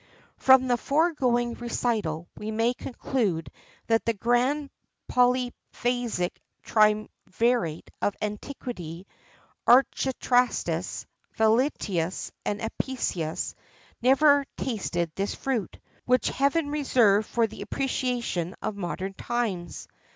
[XIII 38] From the foregoing recital we may conclude that the grand poliphagic triumvirate of antiquity Archestratus, Vitellius, and Apicius never tasted this fruit, which Heaven reserved for the appreciation of modern times.